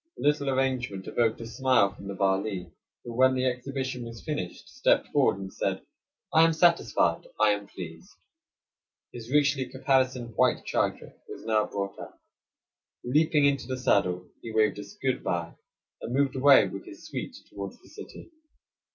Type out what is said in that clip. This little arrangement evoked a smile from the Vali, who, when the exhibition was finished, stepped forward and said, "I am satisfied, I am pleased." His richly caparisoned white charger was now brought up. Leaping into the saddle, he waved us good by, and moved away with his suite toward the city.